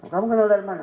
kamu kenal dari mana